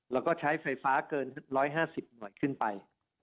แล้วก็ใช้ไฟฟ้าเกิน๑๕๐หน่วยขึ้นไป